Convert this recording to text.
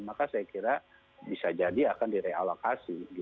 maka saya kira bisa jadi akan direalokasi